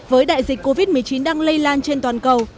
với đại dịch covid một mươi chín đang lây lan trên toàn cầu